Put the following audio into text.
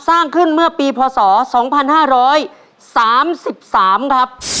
สร้างขึ้นเมื่อปีพศ๒๕๓๓ครับ